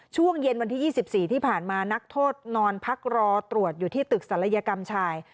ช่วงเย็นวันที่๒๔ที่ผ่านมานักโทษนอนพักรอตรวจอยู่ที่ตึกศัลยกรรมชาย